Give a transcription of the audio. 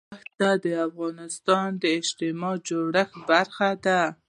ښتې د افغانستان د اجتماعي جوړښت برخه ده.